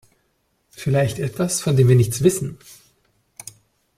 Vielleicht etwas, von dem wir nichts wissen.